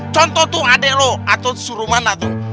contoh tuh adek lo atau suru mana tuh